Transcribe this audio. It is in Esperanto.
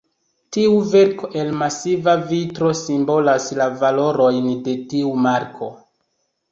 Tiu verko el masiva vitro simbolas la valorojn de tiu marko.